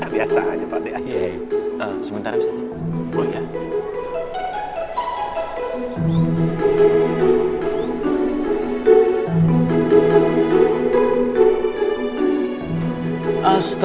biasa aja pak d